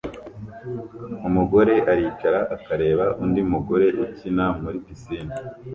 Umugore aricara akareba undi mugore ukina muri pisine